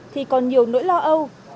thì còn nhiều nỗi lo âu